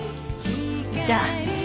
じゃあ。